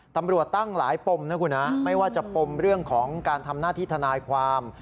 ตำรวจตั้งหลายปมนะคุณฮะไม่ว่าจะปมเรื่องของการทำหน้าที่ทนายความ